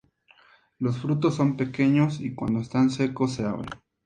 Los frutos son pequeños y cuando están secos se abren.